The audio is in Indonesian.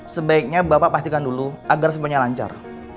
sebaiknya bapak pastikan dulu agar semuanya lancar